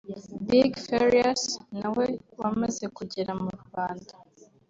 Big Farious na we wamaze kugera mu Rwanda